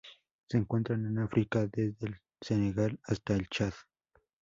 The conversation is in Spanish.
Se encuentran en África: desde el Senegal hasta el Chad.